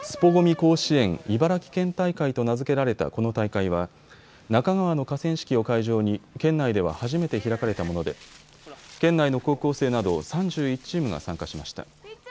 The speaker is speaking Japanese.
甲子園茨城県大会と名付けられたこの大会は那珂川の河川敷を会場に県内では初めて開かれたもので県内の高校生など３１チームが参加しました。